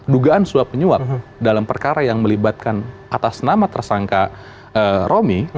dugaan suap menyuap dalam perkara yang melibatkan atas nama tersangka romy